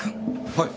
はい。